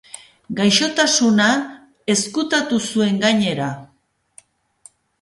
Gaixotasuna ezkutatu zuen, gainera.